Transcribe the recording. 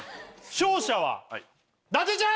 勝者は伊達ちゃん！